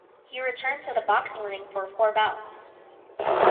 He returned to the boxing ring for four bouts.